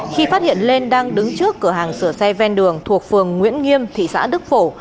khi phát hiện lên đang đứng trước cửa hàng sửa xe ven đường thuộc phường nguyễn nghiêm thị xã đức phổ